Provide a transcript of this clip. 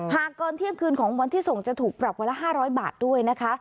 หากเกินเที่ยงคืนของวันที่ส่งจะถูกปรับวันละ๕๐๐บาทด้วยนะคะ